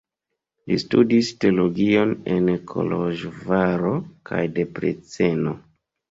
Li studis teologion en Koloĵvaro kaj Debreceno.